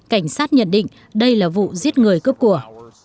cảnh sát nhận định đây là vụ giết người cướp của